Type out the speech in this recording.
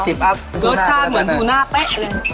รสชาติเหมือนปูหน้าเป๊ะเลย